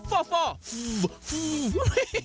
ฟุ้วฟุ้ว